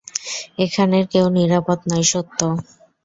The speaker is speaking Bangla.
এখানের কেউ নিরাপদ নয়, সত্য।